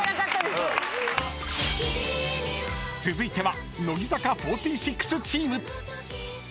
［続いては］